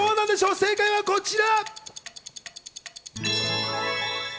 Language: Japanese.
正解はこちら！